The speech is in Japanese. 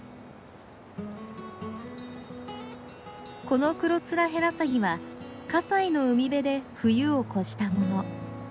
このクロツラヘラサギは西の海辺で冬を越したもの。